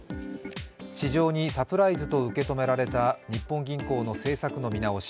市場にサプライズと受け止められた日本銀行の政策の見直し。